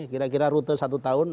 kira kira rute satu tahun